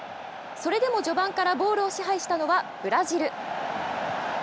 それでも序盤からボールを支配したのはブラジル。